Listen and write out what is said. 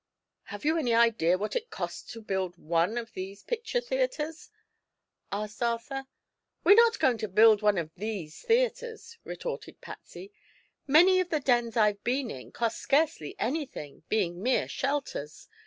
"Have you any idea what it costs to build one of these picture theatres?" asked Arthur. "We're not going to build one of 'these' theatres," retorted Patsy. "Many of the dens I've been in cost scarcely anything, being mere shelters.